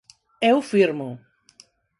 Eu firmo!